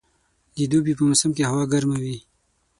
د دوبي په موسم کښي هوا ګرمه وي.